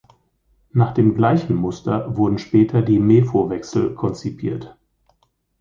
Nach dem gleichen Muster wurden später die Mefo-Wechsel konzipiert.